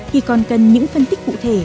thì còn cần những phân tích cụ thể